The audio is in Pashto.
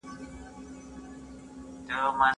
ليکوالان به د خپلي ټولني لپاره نوي او ګټور اثار وليکي.